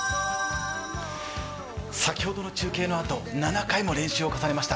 先ほどの中継のあと、７回も練習を重ねました。